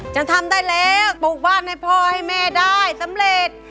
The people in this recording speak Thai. ฉันทำได้แล้วปลูกบ้านให้พ่อให้แม่ได้สำเร็จ